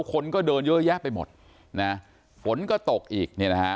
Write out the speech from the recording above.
คนก็เดินเยอะแยะไปหมดฝนก็ตกอีก